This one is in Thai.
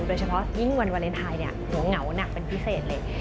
โดยเฉพาะยิ่งวันวาเลนไทยเนี่ยหัวเหงาหนักเป็นพิเศษเลย